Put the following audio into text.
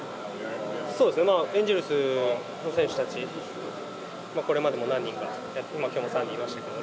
エンジェルスの選手たち、これまでも何人か、きょうもサンディいましたけど、も